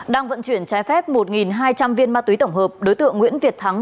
đang vận chuyển trái phép một hai trăm linh viên ma túy tổng hợp đối tượng nguyễn việt thắng